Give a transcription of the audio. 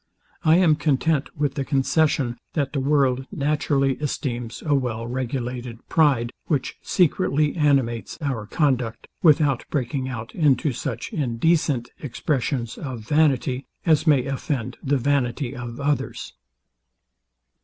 I am content with the concession, that the world naturally esteems a well regulated pride, which secretly animates our conduct, without breaking out into such indecent expressions of vanity, as many offend the vanity of others.